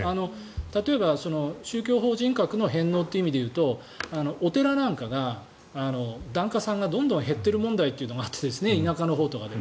例えば宗教法人格の返納という意味で言うとお寺なんかが檀家さんがどんどん減ってる問題があって田舎のほうで。